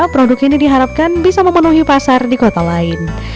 produk ini diharapkan bisa memenuhi pasar di kota lain